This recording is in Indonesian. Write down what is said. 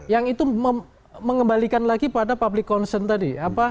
yang itu mengembalikan lagi pada public concern tadi